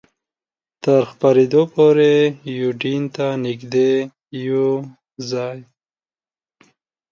تر خپرېدو پورې یوډین ته نږدې یو ځای.